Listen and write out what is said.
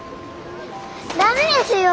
ダメですよ！